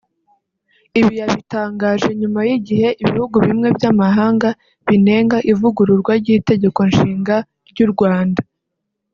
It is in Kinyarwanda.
Ibi yabitangaje nyuma y’igihe ibihugu bimwe by’amahanga binenga ivugururwa ry’Itegeko Nshinga ry’u Rwanda